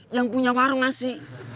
yang punya warung nasi